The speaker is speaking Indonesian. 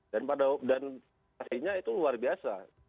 dan pada waktu itu itu luar biasa